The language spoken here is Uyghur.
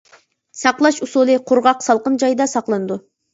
ساقلاش ئۇسۇلى: قۇرغاق، سالقىن جايدا ساقلىنىدۇ.